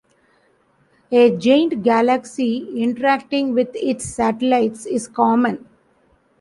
A giant galaxy interacting with its satellites is common.